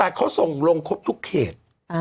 แต่เขาส่งลงครบทุกเขต